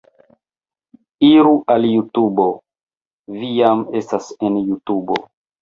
Iru al Jutubo... vi jam estas en Jutubo